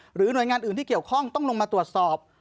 หน่วยงานอื่นที่เกี่ยวข้องต้องลงมาตรวจสอบ